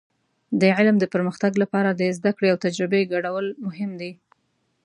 د علم د پرمختګ لپاره د زده کړې او تجربې ګډول مهم دي.